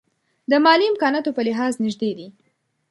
د مالي امکاناتو په لحاظ نژدې دي.